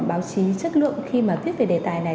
báo chí chất lượng khi mà viết về đề tài này